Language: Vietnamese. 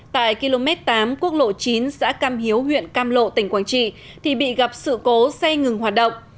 tại km tám quốc lộ chín xã cam hiếu huyện cam lộ tỉnh quảng trị thì bị gặp sự cố xe ngừng hoạt động